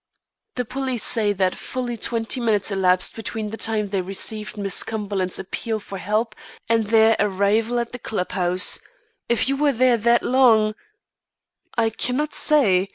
"The police say that fully twenty minutes elapsed between the time they received Miss Cumberland's appeal for help and their arrival at the club house. If you were there that long " "I cannot say.